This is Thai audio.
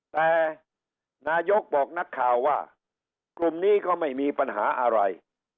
แต่นายกบอกนักข่าวว่ากลุ่มนี้ก็ไม่มีปัญหาอะไร